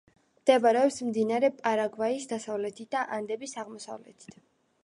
მდებარეობს მდინარე პარაგვაის დასავლეთით და ანდების აღმოსავლეთით.